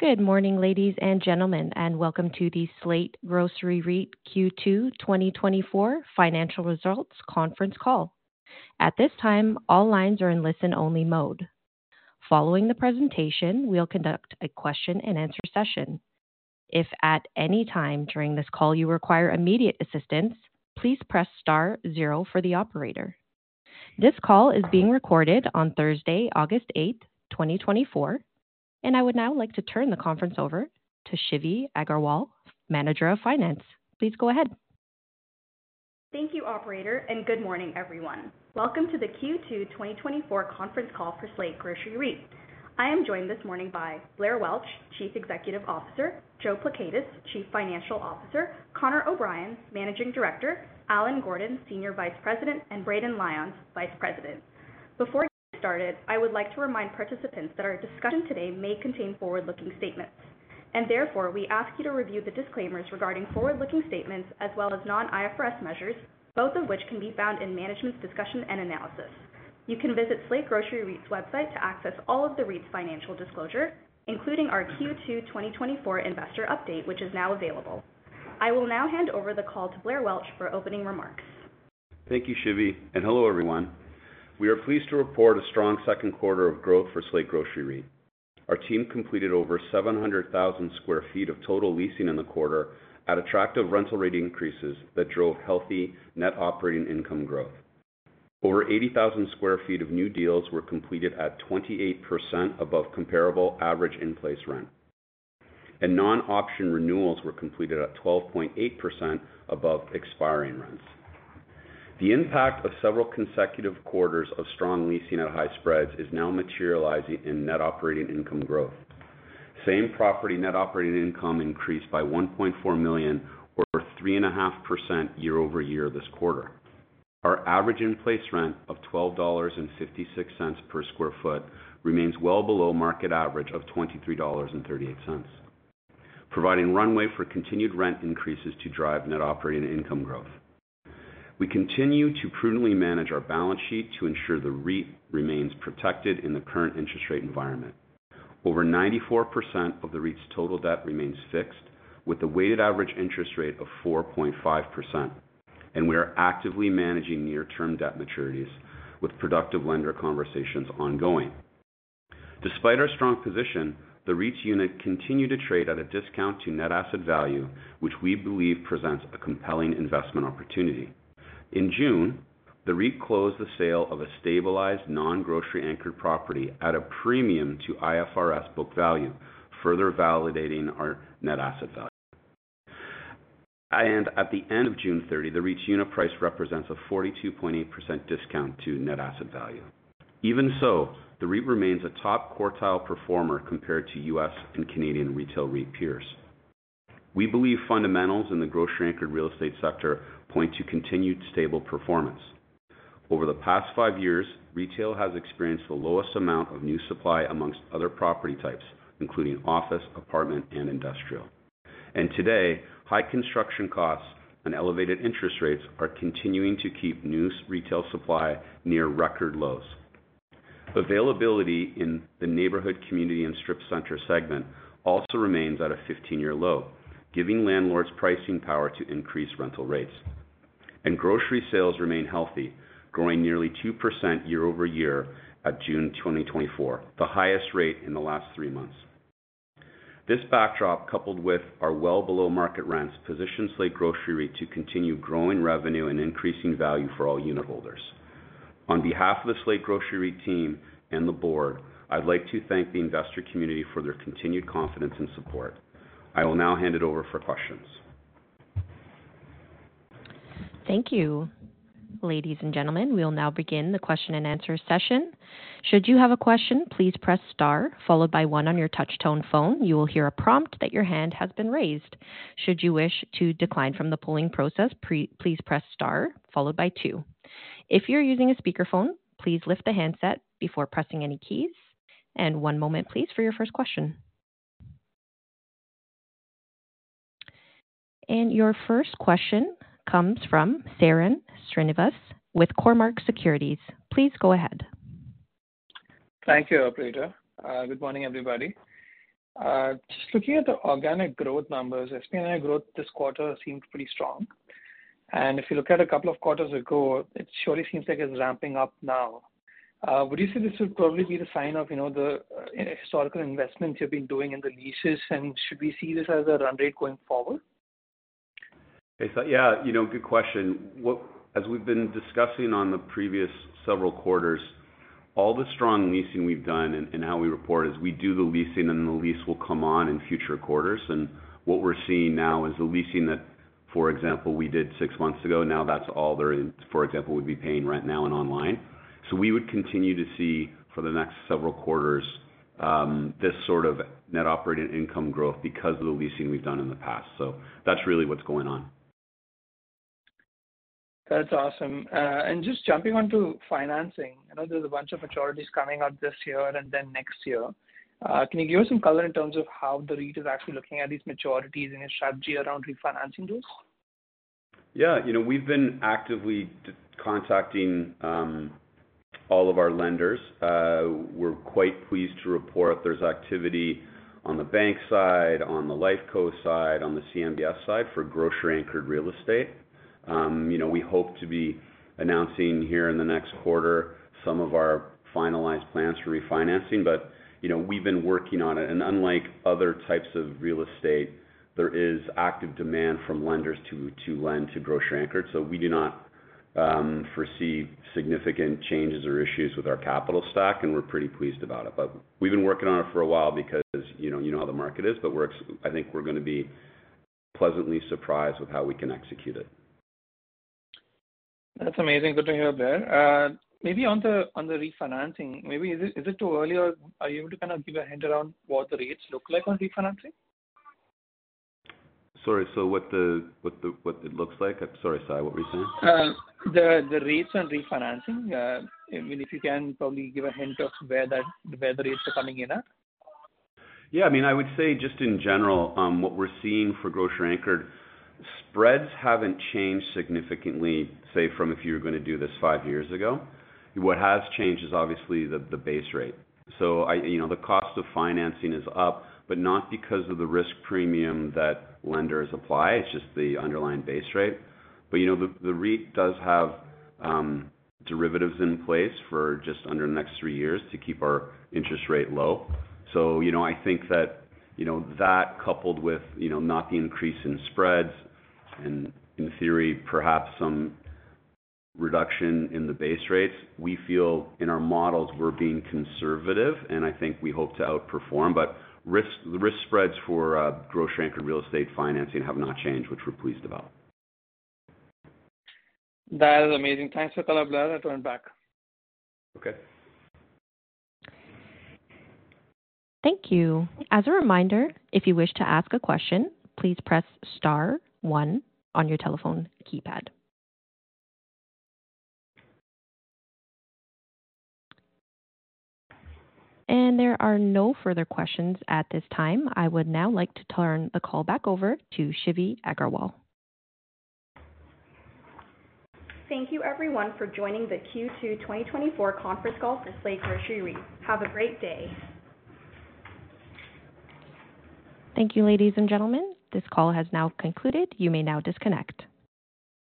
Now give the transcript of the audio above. Good morning, ladies and gentlemen, and welcome to the Slate Grocery REIT Q2 2024 Financial Results Conference Call. At this time, all lines are in listen-only mode. Following the presentation, we'll conduct a question-and-answer session. If at any time during this call you require immediate assistance, please press star zero for the operator. This call is being recorded on Thursday, August 8th, 2024, and I would now like to turn the conference over to Shivi Agarwal, Manager of Finance. Please go ahead. Thank you, operator, and good morning, everyone. Welcome to the Q2 2024 Conference Call for Slate Grocery REIT. I am joined this morning by Blair Welch, Chief Executive Officer, Joe Pleckaitis, Chief Financial Officer, Connor O'Brien, Managing Director, Allen Gordon, Senior Vice President, and Braden Lyons, Vice President. Before I get started, I would like to remind participants that our discussion today may contain forward-looking statements, and therefore, we ask you to review the disclaimers regarding forward-looking statements as well as non-IFRS measures, both of which can be found in Management's Discussion and Analysis. You can visit Slate Grocery REIT's website to access all of the REIT's financial disclosure, including our Q2 2024 investor update, which is now available. I will now hand over the call to Blair Welch for opening remarks. Thank you, Shivi, and hello, everyone. We are pleased to report a strong second quarter of growth for Slate Grocery REIT. Our team completed over 700,000 sq ft of total leasing in the quarter at attractive rental rate increases that drove healthy net operating income growth. Over 80,000 sq ft of new deals were completed at 28% above comparable average in-place rent, and non-option renewals were completed at 12.8% above expiring rents. The impact of several consecutive quarters of strong leasing at high spreads is now materializing in net operating income growth. Same property net operating income increased by $1.4 million or 3.5% year-over-year this quarter. Our average in-place rent of $12.56 per sq ft remains well below market average of $23.38, providing runway for continued rent increases to drive net operating income growth. We continue to prudently manage our balance sheet to ensure the REIT remains protected in the current interest rate environment. Over 94% of the REIT's total debt remains fixed, with a weighted average interest rate of 4.5%, and we are actively managing near term debt maturities with productive lender conversations ongoing. Despite our strong position, the REIT's unit continued to trade at a discount to net asset value, which we believe presents a compelling investment opportunity. In June, the REIT closed the sale of a stabilized non-grocery-anchored property at a premium to IFRS book value, further validating our net asset value. At the end of June 30, the REIT's unit price represents a 42.8% discount to net asset value. Even so, the REIT remains a top quartile performer compared to U.S. and Canadian retail REIT peers. We believe fundamentals in the grocery-anchored real estate sector point to continued stable performance. Over the past 5 years, retail has experienced the lowest amount of new supply among other property types, including office, apartment, and industrial. Today, high construction costs and elevated interest rates are continuing to keep new retail supply near record lows. Availability in the neighborhood, community, and strip center segment also remains at a 15-year low, giving landlords pricing power to increase rental rates. Grocery sales remain healthy, growing nearly 2% year-over-year at June 2024, the highest rate in the last 3 months. This backdrop, coupled with our well below-market rents, positions Slate Grocery REIT to continue growing revenue and increasing value for all unitholders. On behalf of the Slate Grocery REIT team and the board, I'd like to thank the investor community for their continued confidence and support. I will now hand it over for questions. Thank you. Ladies and gentlemen, we will now begin the question-and-answer session. Should you have a question, please press star, followed by one on your touchtone phone. You will hear a prompt that your hand has been raised. Should you wish to decline from the polling process, please press star followed by two. If you're using a speakerphone, please lift the handset before pressing any keys. And one moment, please, for your first question. And your first question comes from Sairam Srinivas with Cormark Securities. Please go ahead. Thank you, operator. Good morning, everybody. Just looking at the organic growth numbers, SPNOI growth this quarter seems pretty strong, and if you look at a couple of quarters ago, it surely seems like it's ramping up now. Would you say this would probably be the sign of, you know, the historical investments you've been doing in the leases, and should we see this as a run rate going forward? Yeah, you know, good question. As we've been discussing on the previous several quarters, all the strong leasing we've done and, and how we report is we do the leasing, and the lease will come on in future quarters. And what we're seeing now is the leasing that, for example, we did six months ago, now that's all there is for example, we'd be paying rent now and online. So we would continue to see for the next several quarters, this sort of Net Operating Income growth because of the leasing we've done in the past so, that's really what's going on. That's awesome. And just jumping onto financing, I know there's a bunch of maturities coming up this year and then next year. Can you give us some color in terms of how the REIT is actually looking at these maturities and your strategy around refinancing those? Yeah, you know, we've been actively contacting all of our lenders. We're quite pleased to report there's activity on the bank side, on the LifeCo side, on the CMBS side, for grocery-anchored real estate. You know, we hope to be announcing here in the next quarter some of our finalized plans for refinancing, but, you know, we've been working on it and unlike other types of real estate. There is active demand from lenders to lend to grocery-anchored so, we do not foresee significant changes or issues with our capital stock, and we're pretty pleased about it but, we've been working on it for a while because, you know, you know how the market is, but I think we're gonna be pleasantly surprised with how we can execute it. That's amazing. Good to hear, Blair. Maybe on the refinancing, is it too early, or are you able to kind of give a hint around what the rates look like on refinancing? Sorry, so what it looks like? I'm sorry, Sai, what were you saying? The rates on refinancing. I mean, if you can probably give a hint of where the rates are coming in at. Yeah, I mean, I would say just in general, what we're seeing for grocery-anchored, spreads haven't changed significantly, say, from if you were gonna do this five years ago. What has changed is obviously the base rate. So, you know, the cost of financing is up, but not because of the risk premium that lenders apply it's just the underlying base rate. But, you know, the REIT does have derivatives in place for just under the next three years to keep our interest rate low. So, you know, I think that, you know, that coupled with, you know, not the increase in spreads and, in theory, perhaps some reduction in the base rates, we feel in our models we're being conservative, and I think we hope to outperform but, the risk spreads for grocery-anchored real estate financing have not changed, which we're pleased about. That is amazing. Thanks for color, Blair. I turn back. Okay. Thank you. As a reminder, if you wish to ask a question, please press star one on your telephone keypad. There are no further questions at this time. I would now like to turn the call back over to Shivi Agarwal. Thank you, everyone, for joining the Q2 2024 Conference Call for Slate Grocery REIT. Have a great day. Thank you, ladies and gentlemen. This call has now concluded. You may now disconnect.